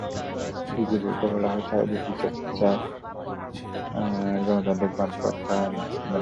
বিবৃতিতে বলা হয়, সাঈদীর বিচারের রায় গণতান্ত্রিক বাম মোর্চা মেনে নেয়নি।